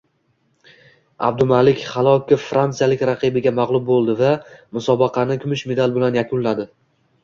Abdumalik Halokov fransiyalik raqibiga mag‘lub bo‘ldi va musobaqani kumush medali bilan yakunladi